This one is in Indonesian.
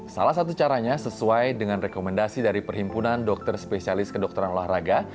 salah satu caranya sesuai dengan rekomendasi dari perhimpunan dokter spesialis kedokteran olahraga